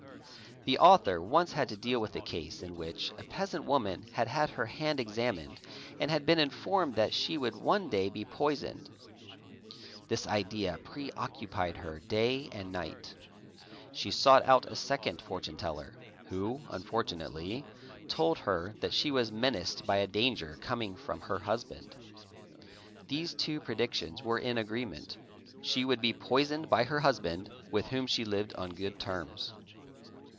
The author once had to deal with a case in which a peasant woman had had her hand examined and had been informed that she would one day _ be poisoned. This idea preoccupied her day and night. She sought out _ asecond fortune teller, who, unfortunately, told her that she was menaced _ by a danger coming from her husband. These two predictions were in _ agreement: she would be poisoned by her husband, with whom she lived : on good terms.